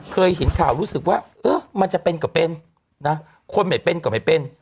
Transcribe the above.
เคยเห็นข่าวรู้สึกว่าเออมันจะเป็นก็เป็นนะคนไม่เป็นก็ไม่เป็น